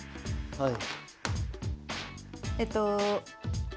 はい。